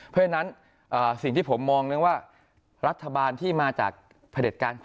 เพราะฉะนั้นสิ่งที่ผมมองเรื่องว่ารัฐบาลที่มาจากผลิตการ